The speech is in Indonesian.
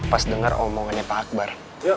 pas dengar omongannya pak akbar